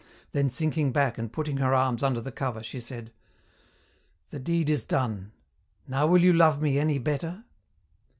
Then sinking back and putting her arms under the cover, she said, "The deed is done. Now will you love me any better?"